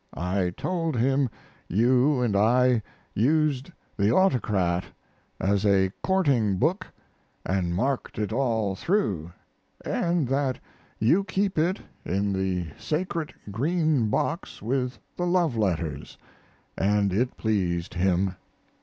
I told him you & I used the Autocrat as a courting book & marked it all through, & that you keep it in the sacred green box with the loveletters, & it pleased him.